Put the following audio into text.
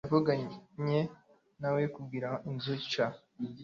yavuganye nawe kugura inzu nshya